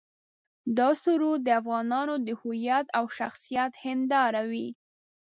دا سرود د افغانانو د هویت او شخصیت هنداره وي.